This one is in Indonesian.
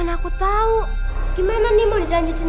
deh kita keluar aja yuk deh